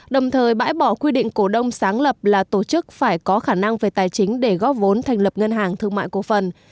đồng thời bãi bỏ quy định cổ đông sáng lập là tổ chức phải có khả năng về tài chính để góp vốn thành lập ngân hàng thương mại cổ phần